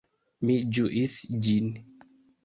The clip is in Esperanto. Mi ĝuis ĝin.